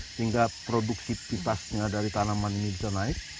sehingga produktivitasnya dari tanaman ini bisa naik